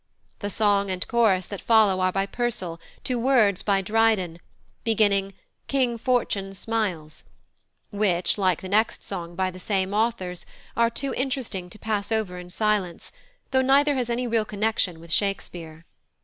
The song and chorus that follow are by Purcell, to words by Dryden, beginning "King Fortune smiles," which, like the next song by the same authors, are too interesting to pass over in silence, though neither has any real connection with Shakespeare.